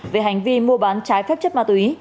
về hành vi mua bán trái phép chất ma túy